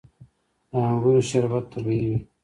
د انګورو شربت طبیعي وي.